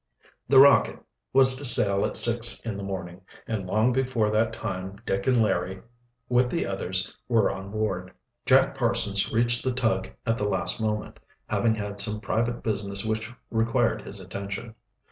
The Rocket was to sail at six in the morning, and long before that time Dick and Larry, with the others, were on board. Jack Parsons reached the tug at the last moment, having had some private business which required his attention.